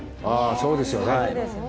そうですよね。